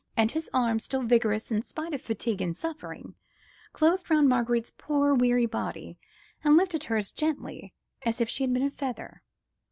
And his arms, still vigorous in spite of fatigue and suffering, closed round Marguerite's poor, weary body, and lifted her as gently as if she had been a feather.